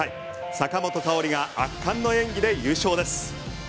坂本花織が圧巻の演技で優勝です。